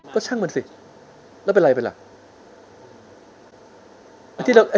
ก็ช่างมันสิแล้วเป็นไรไปล่ะ